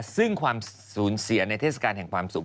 ซึ่งความสูญเสียในเทศกาลแห่งความสุข